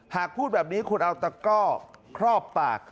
หากพูดแบบนี้คุณเอาตะก้อครอบปาก